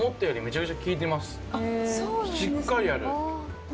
しっかりある。